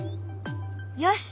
よし！